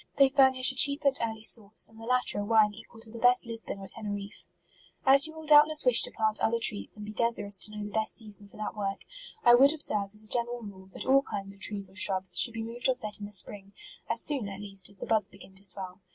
They furnish a cheap and early sauce, and the latter a wine equal to the best Lisbon or Teneriffe. As you will doubtless wish to plant other trees, and be desirous to know the best sea son for that work, I would observe as a gen eral rule, that all kind of trees or shrubs, should be moved or set in the spring, as soon, at least, as the buds begin to swell.